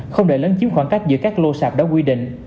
không để lớn chiếm khoảng cách giữa các lô sạp đó quy định